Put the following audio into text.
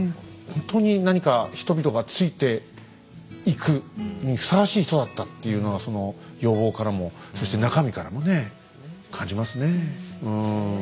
ほんとに何か人々がついていくにふさわしい人だったっていうのがその容貌からもそして中身からもね感じますね。